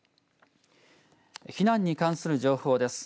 避難に関する情報です。